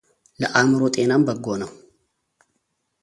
ለአእምሮ ጤናም በጎ ነው።